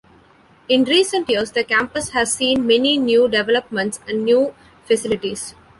In recent years the campus has seen many new developments and new facilities.